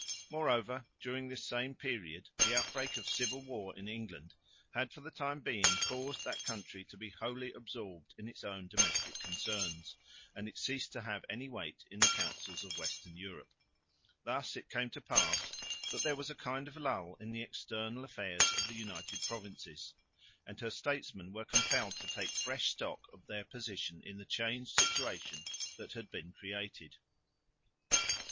Moreover, during this same period the outbreak of civil war in England had for the time being caused that country to be wholly absorbed in its own domestic concerns, and it ceased to have any weight in the councils of western Europe. Thus it came to pass that there was a kind of lull in the external affairs of the United Provinces; and her statesmen were compelled to take fresh stock of their position in the changed situation that had been created.